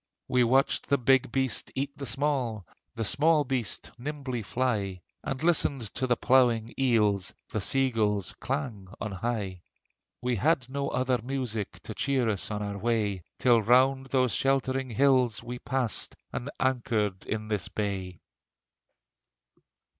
We watched the big beast eat the small, The small beast nimbly fly, And listened to the plunging eels, The sea gull's clang on high. We had no other music To cheer us on our way: Till round those sheltering hills we passed And anchored in this bay.